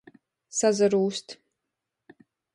Sazarūst.